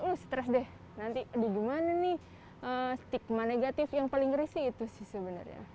oh stres deh nanti di gimana nih stigma negatif yang paling risih itu sih sebenarnya